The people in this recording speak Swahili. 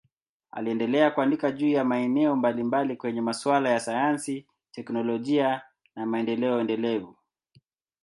Aliendelea kuandika juu ya maeneo mbalimbali kwenye masuala ya sayansi, teknolojia na maendeleo endelevu.